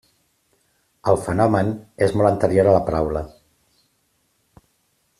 El fenomen és molt anterior a la paraula.